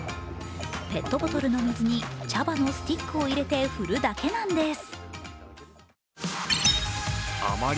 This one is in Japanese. ペットボトルの水に茶葉のスティックを入れて振るだけなんです。